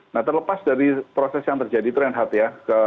nah terlepas dari proses yang terjadi renhard ya